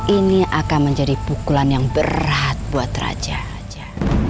ini akan menjadi pukulan yang berat buat raja raja